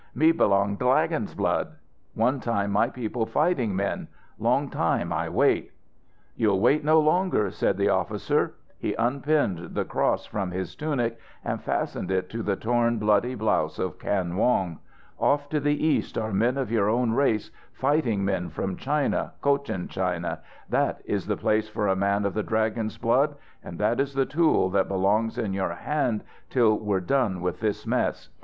Me belong Dlagon's blood. One time my people fighting men; long time I wait." "You'll wait no longer," said the officer. He unpinned the cross from his tunic and fastened it to the torn, bloody blouse of Kan Wong. "Off to the east are men of your own race, fighting men from China, Cochin China. That is the place for a man of the Dragon's blood and that is the tool that belongs in your hand till we're done with this mess."